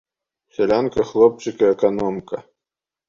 Сялянка, хлопчык і аканомка.